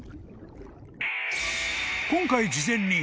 ［今回事前に］